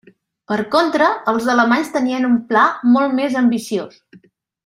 Per contra, els alemanys tenien un pla molt més ambiciós.